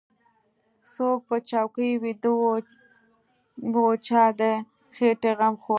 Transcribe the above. څوک په چوکۍ ويده و چا د خېټې غم خوړ.